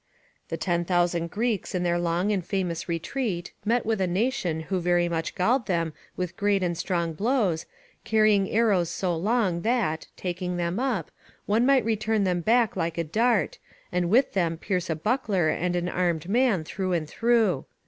The ten thousand Greeks in their long and famous retreat met with a nation who very much galled them with great and strong bows, carrying arrows so long that, taking them up, one might return them back like a dart, and with them pierce a buckler and an armed man through and through.